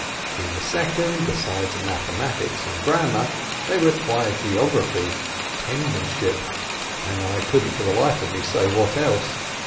In the second, besides mathematics and grammar, they require geography, penmanship, and I couldn't for the life of me say what else.